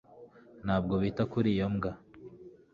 ntabwo bita kuri iyo mbwa